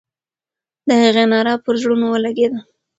د هغې ناره پر زړونو ولګېده.